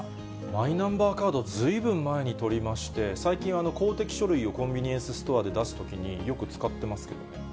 マイナンバーカード、ずいぶん前に取りまして、最近、公的書類をコンビニエンスストアで出すときに、よく使ってますけど。